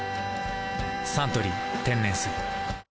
「サントリー天然水」